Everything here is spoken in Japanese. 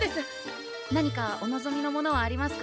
何かお望みのものはありますか？